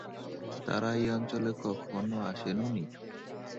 তারা এই অঞ্চলে কখনও আসেনওনি।